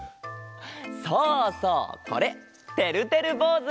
そうそうこれてるてるぼうず！